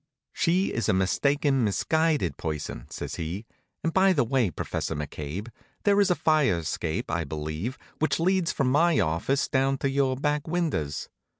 "She is a mistaken, misguided person," says he. "And by the way, Professor McCabe, there is a fire escape, I believe, which leads from my office down to your back windows.